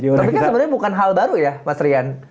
tapi kan sebenarnya bukan hal baru ya mas rian